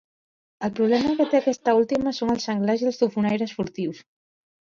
El problema que té aquesta última són els senglars i els tofonaires furtius.